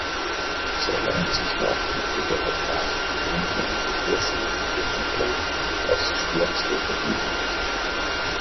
Seiner Ansicht nach hätte der Vertrag die einheimische Forschung und Entwicklung aufs stärkste behindert.